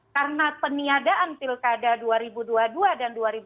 karena peniadaan tilkada dua ribu dua puluh dua dan dua ribu dua puluh tiga